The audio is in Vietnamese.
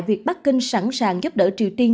việc bắc kinh sẵn sàng giúp đỡ triều tiên